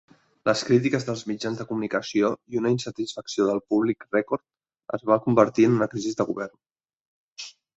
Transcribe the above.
Les crítiques dels mitjans de comunicació i una insatisfacció del públic rècord es van convertir en una crisi de govern.